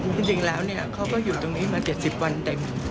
จริงแล้วเขาก็อยู่ตรงนี้มา๗๐วันเต็ม